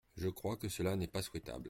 Je crois que cela n’est pas souhaitable.